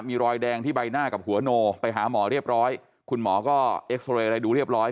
มีรอยแดงที่ใบหน้ากับหัวโนไปหาหมอเรียบร้อยคุณหมอก็เอ็กซอเรย์อะไรดูเรียบร้อย